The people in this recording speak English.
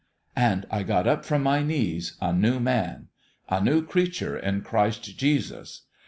..." And I got up from my knees a new man 4 A new creature in Christ Jesus.'